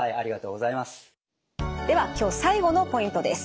では今日最後のポイントです。